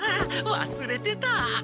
わすれてた！